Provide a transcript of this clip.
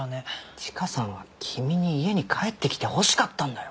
チカさんは君に家に帰ってきてほしかったんだよ。